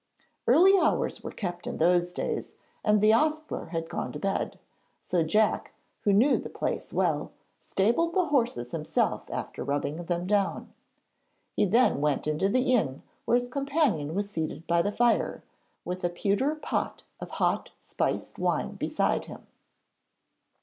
Early hours were kept in those days and the ostler had gone to bed, so Jack, who knew the place well, stabled the horses himself after rubbing them down. He then went into the inn where his companion was seated by the fire, with a pewter pot of hot spiced wine beside him.